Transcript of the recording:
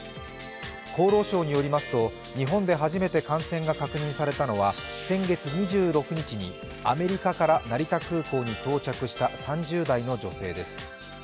厚労省によりますと、日本で初めて感染が確認されたのは、先月２６日にアメリカから成田空港に到着した３０代の女性です。